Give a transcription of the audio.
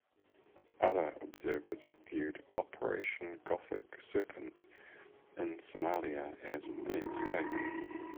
Other observers viewed Operation Gothic Serpent in Somalia as a mistake.